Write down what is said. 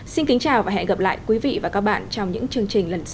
xin kính chào và hẹn gặp lại quý vị và các bạn trong những chương trình lần sau